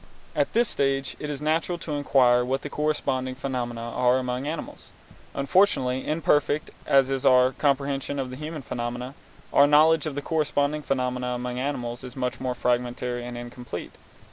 At this stage it is natural to inquire what the corresponding phenomena are among animals. Unfortunately, imperfect as is our comprehension of the human phenomena, our knowledge of the corresponding phenomena among animals is much more fragmentary and incomplete.